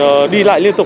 và họ sẽ đi lại liên tục